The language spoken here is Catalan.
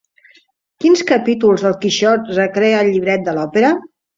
Quins capítols del quixot recrea el llibret de l'òpera?